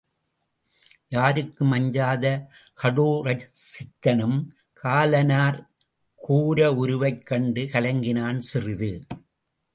யாருக்கும் அஞ்சாத கடோரசித்தனும் காலனார் கோரவுருவைக் கண்டு கலங்கினன் சிறிது.